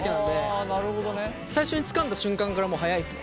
あなるほどね。最初につかんだ瞬間からもう早いですね。